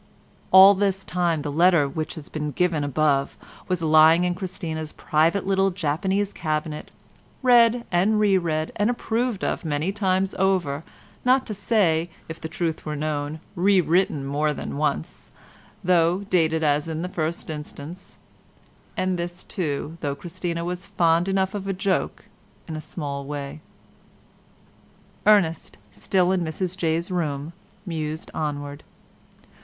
All this time the letter which has been given above was lying in Christina's private little Japanese cabinet, read and re read and approved of many times over, not to say, if the truth were known, rewritten more than once, though dated as in the first instance—and this, too, though Christina was fond enough of a joke in a small way. Ernest, still in Mrs Jay's room mused onward.